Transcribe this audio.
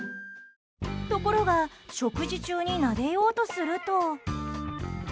ところが食事中になでようとすると。